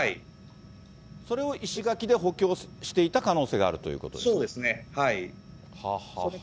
それを石垣で補強していた可能性があるということですか。